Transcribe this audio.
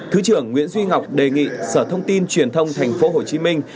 thứ trưởng nguyễn duy ngọc đề nghị sở thông tin truyền thông thành phố hồ chí minh